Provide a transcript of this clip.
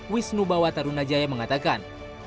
wisnu bawatarunajaya mengatakan